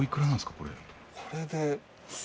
これで。